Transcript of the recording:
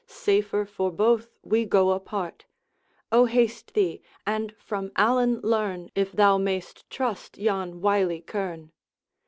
Safer for both we go apart. O haste thee, and from Allan learn If thou mayst trust yon wily kern.'